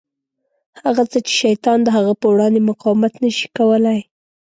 هغه څه چې شیطان د هغه په وړاندې مقاومت نه شي کولای.